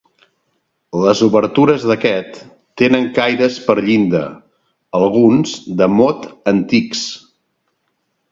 Les obertures d'aquest tenen caires per llinda, alguns de mot antics.